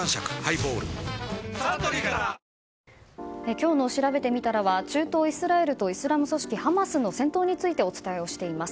今日のしらべてみたらは中東イスラエルとイスラム組織ハマスの戦闘についてお伝えをしています。